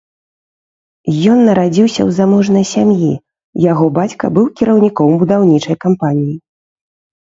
Ён нарадзіўся ў заможнай сям'і, яго бацька быў кіраўніком будаўнічай кампаніі.